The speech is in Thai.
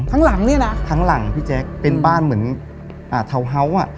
ทั้งหลังนี่นะพี่แจ๊กเป็นบ้านเหมือนทาวน์เฮาส์